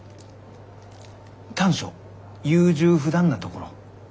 「短所優柔不断なところ」。